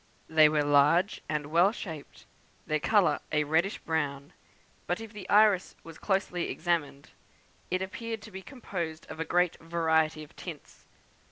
They were large and well shaped; their colour a reddish brown; but if the iris was closely examined, it appeared to be composed of a great variety of tints.